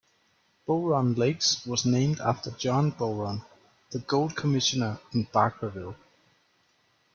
Bowron Lakes was named after John Bowron, the Gold Commissioner in Barkerville.